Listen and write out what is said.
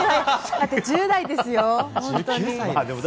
だって１０代ですよ。